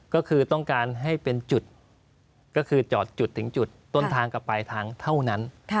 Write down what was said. ก็คือต้องการให้เป็นจุดก็คือจอดจุดถึงจุดต้นทางกับปลายทางเท่านั้น